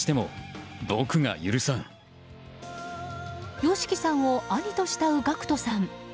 ＹＯＳＨＩＫＩさんを兄と慕うＧＡＣＫＴさん。